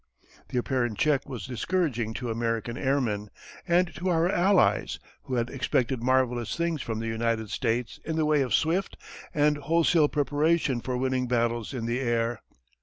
The apparent check was discouraging to American airmen, and to our Allies who had expected marvellous things from the United States in the way of swift and wholesale preparation for winning battles in the air.